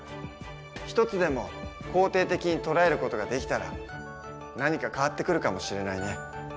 一つでも肯定的に捉える事ができたら何か変わってくるかもしれないね。